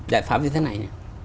đại pháp như thế nào